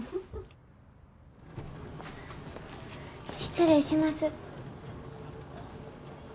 失礼します。